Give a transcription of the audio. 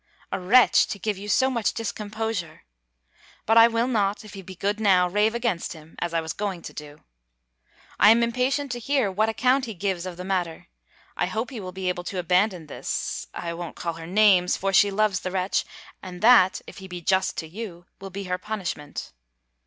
A wretch! to give you so much discomposure! But I will not, if he be good now, rave against him, as I was going to do. I am impatient to hear what account he gives of the matter. I hope he will be able to abandon this I won't call her names; for she loves the wretch; and that, if he be just to you, will be her punishment.